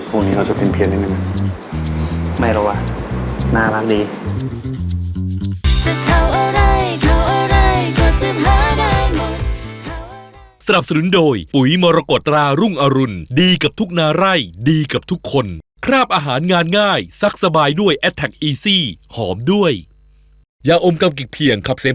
อืมหรือพวกนี้เขาจะเป็นเพียสนิดหนึ่ง